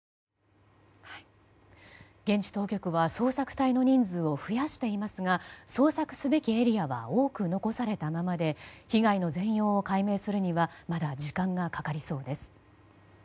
現地当局は捜索隊の人数を増やしていますが捜索すべきエリアは多く残されたままで被害の全容を解明するにはまだ時間がかかりそうです。